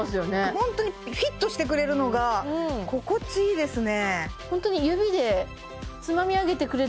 ホントにフィットしてくれるのが心地いいですね